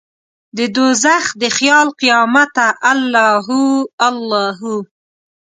ددوږخ د خیال قیامته الله هو، الله هو